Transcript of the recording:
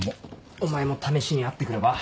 お前も試しに会って来れば？